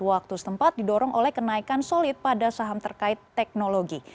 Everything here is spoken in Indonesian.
waktu setempat didorong oleh kenaikan solid pada saham terkait teknologi